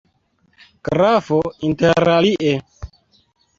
Grafo, interalie.